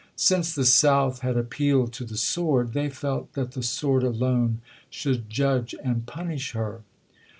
Since the South had appealed to the sword, they felt that the sword alone should judge and punish her.